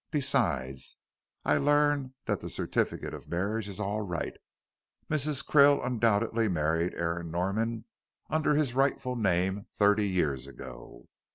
Besides, I learn that the certificate of marriage is all right. Mrs. Krill undoubtedly married Aaron Norman under his rightful name thirty years ago."